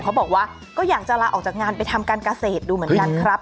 เขาบอกว่าก็อยากจะลาออกจากงานไปทำการเกษตรดูเหมือนกันครับ